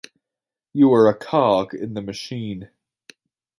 You are a cog in the machine.